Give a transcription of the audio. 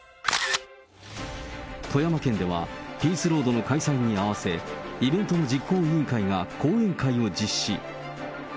富山県では、ピースロードの開催に合わせ、イベントの実行委員会が講演会を実施。